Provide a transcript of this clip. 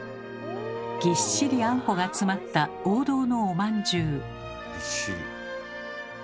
ぎっしりあんこが詰まった王道のおまんじゅう。